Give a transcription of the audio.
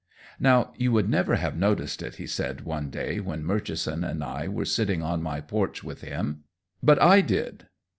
"Now, you would never have noticed it," he said one day when Murchison and I were sitting on my porch with him, "but I did.